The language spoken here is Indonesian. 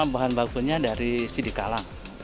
bahan bakunya dari sidik kalang